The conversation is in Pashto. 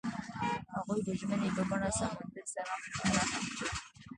هغوی د ژمنې په بڼه سمندر سره ښکاره هم کړه.